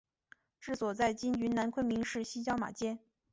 治所在今云南昆明市西郊马街。